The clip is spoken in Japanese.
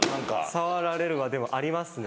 触られるはでもありますね。